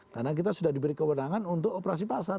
karena kita sudah diberi kewenangan untuk operasi pasar